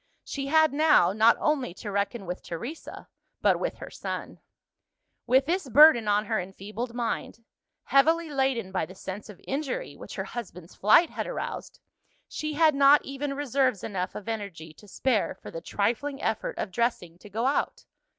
She had now, not only to reckon with Teresa, but with her son. With this burden on her enfeebled mind heavily laden by the sense of injury which her husband's flight had aroused she had not even reserves enough of energy to spare for the trifling effort of dressing to go out.